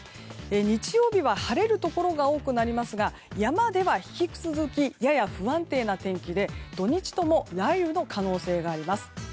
日曜日は晴れるところが多くなりますが山では引き続きやや不安定な天気で土日とも、雷雨の可能性があります。